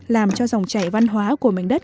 làm cho dòng chảy văn hóa của mảnh đất